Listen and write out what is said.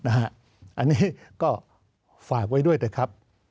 อันนี้ก็ฝากไว้ด้วยนะครับ